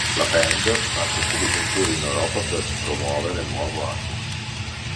La band parte subito in tour in Europa per promuovere il nuovo album.